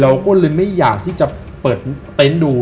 เราก็เลยไม่อยากที่จะเปิดเต็นต์ดู